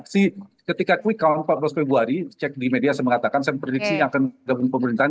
ketika quick count empat belas februari cek di media saya mengatakan saya memprediksi akan gabung pemerintahan